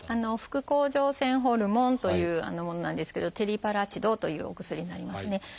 「副甲状腺ホルモン」というものなんですけど「テリパラチド」というお薬になりますね。